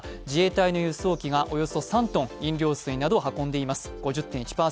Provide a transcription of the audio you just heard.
自衛隊の輸送機がおよそ３ｔ、飲料水などを運んでいます。